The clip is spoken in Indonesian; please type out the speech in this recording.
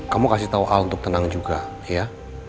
kamu kasih tahu al untuk tenang juga ya